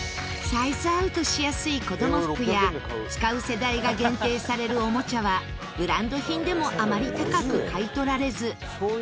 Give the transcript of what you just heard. サイズアウトしやすい子供服や使う世代が限定されるおもちゃはブランド品でもあまり高く買い取られず。